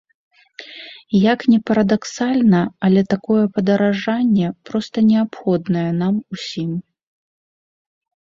Як ні парадаксальна, але такое падаражанне проста неабходнае нам усім!